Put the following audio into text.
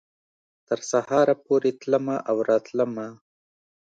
تر سهاره پورې تلمه او راتلمه